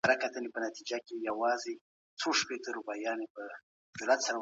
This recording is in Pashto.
تقليد ته په مذهبي چارو کي ځای نسته.